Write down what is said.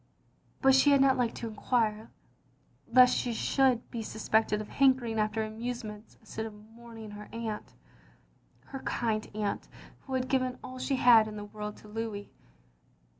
But she had not liked to enquire, lest she should be suspected of hankering after amusements instead of mourning her aunt; her kind aunt who had given aU she had in the world to Louis.